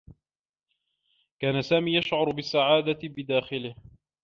كان سامي يشعر بالسّعادة بداخله.